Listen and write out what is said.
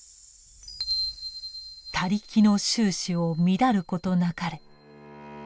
「他力の宗旨を乱ることなかれ」。